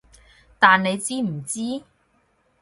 但你知唔知？